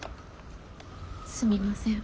すみません。